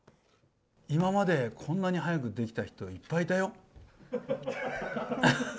今までこんなに早くできた人いっぱいいたよ。